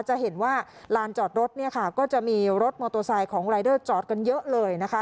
จะเห็นว่าลานจอดรถเนี่ยค่ะก็จะมีรถมอเตอร์ไซค์ของรายเดอร์จอดกันเยอะเลยนะคะ